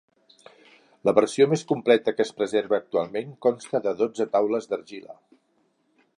La versió més completa que es preserva actualment consta de dotze taules d'argila.